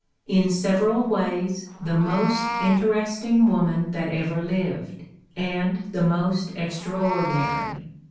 "in sev eral ways the most interesting woman that ever lived, and the most extraordinary.